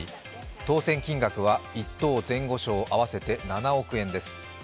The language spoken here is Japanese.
当選金額は１等前後賞合わせて７億円です。